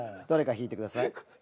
どれか引いてください。